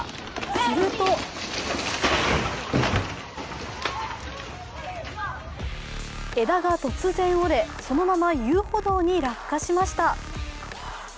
すると枝が突然、折れ、そのまま遊歩道に落下しました。